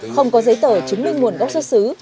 không có giấy tờ chứng minh nguồn gốc xuất xứ